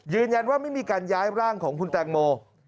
ยืนยันว่าไม่มีการย้ายร่างของคุณแตงโม